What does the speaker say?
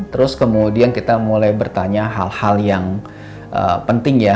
terus kemudian kita mulai bertanya hal hal yang penting ya